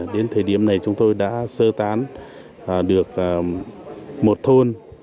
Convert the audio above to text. đến thời điểm này chúng tôi đã sơ tán được một thôn